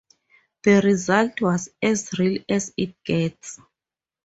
The result was "As Real As It Gets".